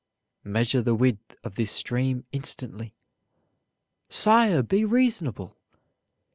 "Measure the width of this stream instantly." "Sire, be reasonable!"